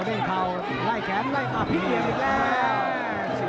เด้งเข่าไล่แขนไล่มาพลิกเหลี่ยมอีกแล้ว